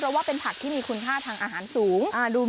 เพราะว่าเป็นผักที่มีคุณค่าทางอาหารสูง